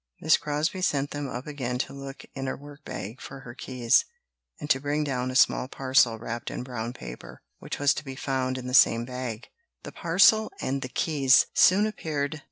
Miss Crosbie sent them up again to look in her workbag for her keys, and to bring down a small parcel wrapped in brown paper, which was to be found in the same bag. The parcel and the keys soon appeared.